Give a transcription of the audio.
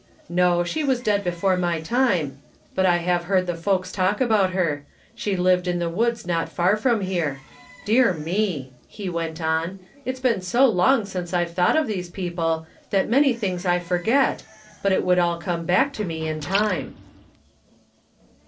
"No, she was dead before my time, but I have heard the folks talk about her. She lived in the woods not far from here. Dear me !" he went on, "it's been so long since I've thought of these people that many things I forget, but it would all come back to me in time."